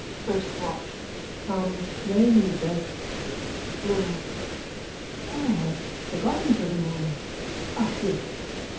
FIRST WATCH: Come. Name and address. BLOOM: I have forgotten for the moment. Ah, yes!